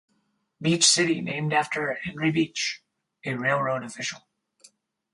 Beach City named after Henry Beach, a railroad official.